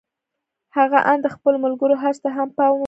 هغه آن د خپلو ملګرو حرص ته هم پام و نه کړ.